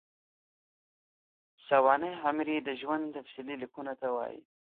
سوانح عمري د ژوند تفصیلي لیکلو ته وايي.